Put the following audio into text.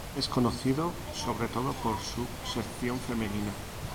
Es conocido sobre todo por su sección femenina.